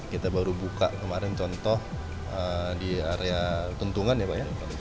kita baru buka kemarin contoh di area tuntungan ya pak ya